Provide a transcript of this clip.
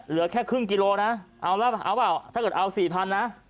เหลือแค่ครึ่งกิโลนะเอาแล้วเอาเปล่าถ้าเกิดเอาสี่พันนะ